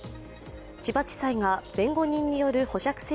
千葉地裁が弁護人によるほ写生